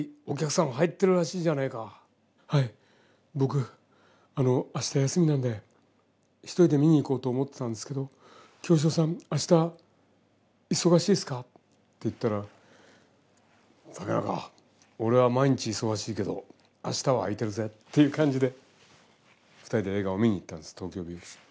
「はい僕あのあした休みなんで一人で見に行こうと思ってたんですけど清志郎さんあした忙しいっすか？」って言ったら「竹中俺は毎日忙しいけどあしたは空いてるぜ」っていう感じで２人で映画を見に行ったんです「東京日和」。